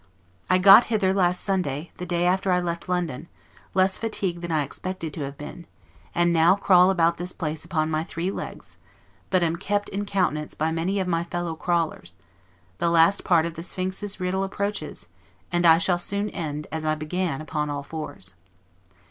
I got hither last Sunday, the day after I left London, less fatigued than I expected to have been; and now crawl about this place upon my three legs, but am kept in countenance by many of my fellow crawlers; the last part of the Sphinx's riddle approaches, and I shall soon end, as I began, upon all fours.